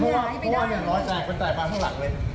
เพราะว่าเนี่ยรอยแตกมันแตกมาข้างหลังเลย